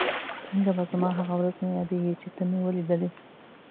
څنګه به زما هغه ورځ نه یادېږي چې ته مې ولیدلې؟